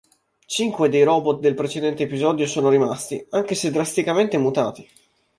Cinque dei robot del precedente episodio sono rimasti, anche se drasticamente mutati.